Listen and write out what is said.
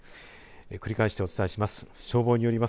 繰り返してお伝えします。